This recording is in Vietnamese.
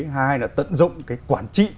hai là tận dụng cái quản trị